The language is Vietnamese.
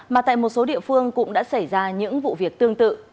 mà tại một số địa phương cũng đã xảy ra những vụ việc tương tự